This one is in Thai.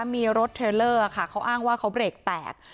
มีรถเทลเลอร์ค่ะเขาอ้างว่าเขาเบรกแตก